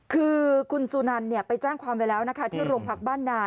คือคุณสุนันไปแจ้งความไว้แล้วนะคะที่โรงพักบ้านนา